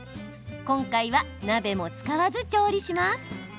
今回は鍋も使わず調理します。